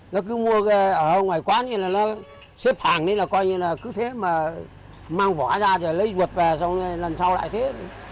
nó cứ mua ở ngoài quán như là nó xếp hàng như là coi như là cứ thế mà mang vỏ ra rồi lấy vụt về rồi lần sau lại thế